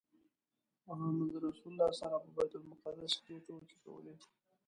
محمدرسول راسره په بیت المقدس کې ټوکې کولې.